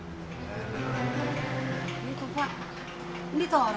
ini tuh pak ini tuh orangnya